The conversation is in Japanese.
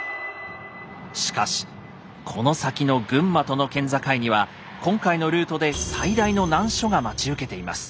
しかしこの先の群馬との県境には今回のルートで最大の難所が待ち受けています。